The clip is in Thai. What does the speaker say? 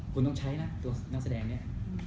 คุณต้องใช้นะตัวนักแสดงเนี่ย